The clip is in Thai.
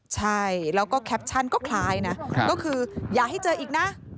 ใช่แล้วก็แคปชั่นก็คล้ายนะก็คืออย่าให้เจออีกนะ